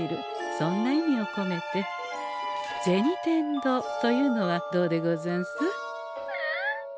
そんな意味をこめて「銭転堂」というのはどうでござんす？ニャ？